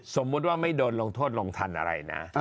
สมมุติว่าไม่โดนลงโทษลงทันอะไรนะ